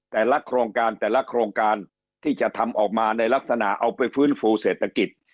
แต่ละโครงการแต่ละโครงการที่จะทำออกมาในลักษณะเอาไปฟื้นฟูเศรษฐกิจ